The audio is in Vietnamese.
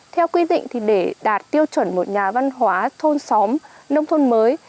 theo quy định thì để đạt tiêu chuẩn một nhà văn hóa thôn xóm nông thôn mới